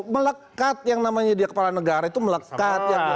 melekat yang namanya dia kepala negara itu melekat